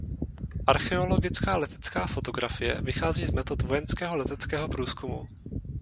Archeologická letecká fotografie vychází z metod vojenského leteckého průzkumu.